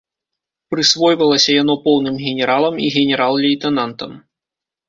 Прысвойвалася яно поўным генералам і генерал-лейтэнантам.